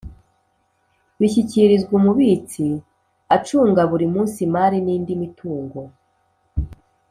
bishyikirizwa umubitsi acunga buri munsi imari n’ indi mitungo